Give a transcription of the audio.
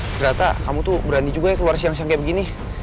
ternyata kamu tuh berani juga ya keluar siang siang kayak begini